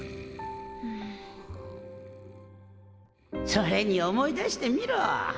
それに思い出してみろ。